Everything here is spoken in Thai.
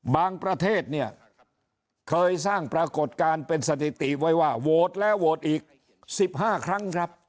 ประเทศเนี่ยเคยสร้างปรากฏการณ์เป็นสถิติไว้ว่าโหวตแล้วโหวตอีก๑๕ครั้งครับ